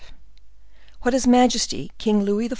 What his Majesty King Louis XIV.